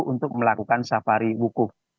untuk melakukan safari wukuf